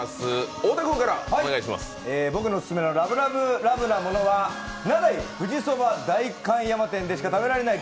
僕のオススメのＬＯＶＥＬＯＶＥＬＯＶＥなものは名代富士そば代官山店でしか食べられない